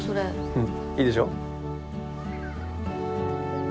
うんいいでしょ？